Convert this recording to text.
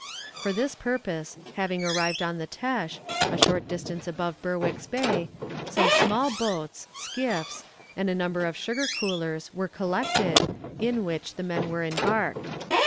For this purpose, having arrived on the Têche, a short distance above Berwick's Bay, some small boats (skiffs) and a number of sugar coolers were collected, in which the men were embarked.